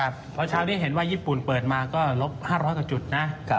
เพราะเช้านี้เห็นว่าญี่ปุ่นเปิดมาก็ลบ๕๐๐กว่าจุดนะ